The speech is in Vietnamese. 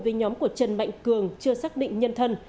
với nhóm của trần mạnh cường chưa xác định nhân thân